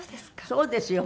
そうですよ。